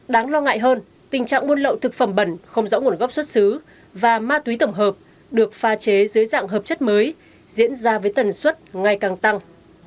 đáng lo ngại hơn tình trạng buôn lậu thực phẩm bẩn không rõ nguồn gốc xuất xứ và ma túy tổng hợp được pha chế dưới dạng hợp chất mới diễn ra với tần suất ngày càng tăng